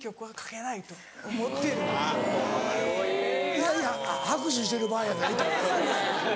いやいや拍手してる場合やない。